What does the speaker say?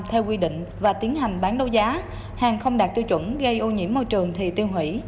theo quy định và tiến hành bán đấu giá hàng không đạt tiêu chuẩn gây ô nhiễm môi trường thì tiêu hủy